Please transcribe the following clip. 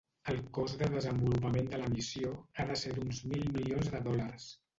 El cost de desenvolupament de la missió ha de ser d'uns mil milions de dòlars.